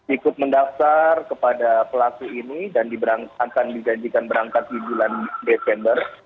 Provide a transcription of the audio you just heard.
ikut mendaftar kepada pelaku ini dan akan dijanjikan berangkat di bulan desember